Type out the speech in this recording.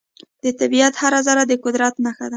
د طبیعت هره ذرې د قدرت نښه ده.